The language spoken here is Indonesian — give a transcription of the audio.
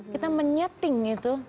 kita menyeting itu